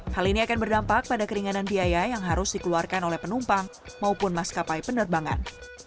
hal ini akan berdampak pada keringanan biaya yang harus dikeluarkan oleh penumpang maupun maskapai penerbangan